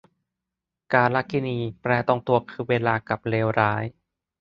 กาลกิณี แปลตรงตัวคือ เวลา กับ เลวร้าย